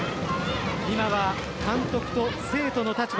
今は監督と生徒の立場。